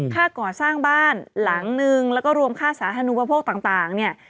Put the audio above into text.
ค่าก่อสร้างบ้านหลังนึงแล้วก็รวมค่าสาธารณูปโภคต่างเนี่ย